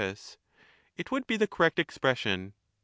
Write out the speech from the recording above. It would be the correct expression.